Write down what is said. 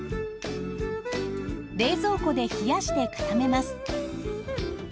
冷蔵庫で冷やして固めます。